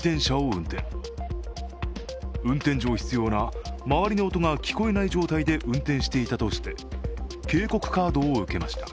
運転上必要な周りの音が聞こえない状態で運転していたとして警告カードを受けました。